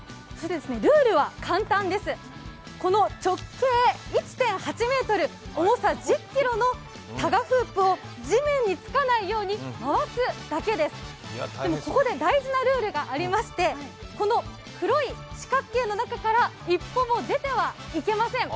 ルールは簡単です直径１．８ｍ重さ１０ｋｇのタガフープを地面につかないように回すだけです、でもここで大事なルールがありましてこの黒い四角形の中から一歩も出てはいけません。